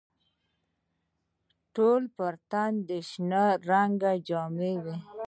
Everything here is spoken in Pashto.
د ټولو پر تن د شنه رنګ جامې وې.